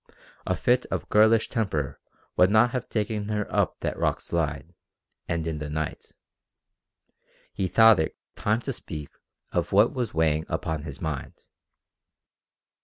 A fit of girlish temper would not have taken her up that rock slide, and in the night. He thought it time to speak of what was weighing upon his mind.